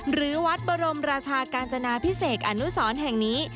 หรือวัดบรมราชากาญจนาพิเศษอนุสรแห่งนี้